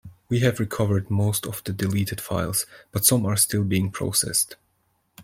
We have recovered most of the deleted files, but some are still being processed.